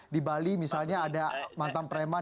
di bali misalnya ada mantan preman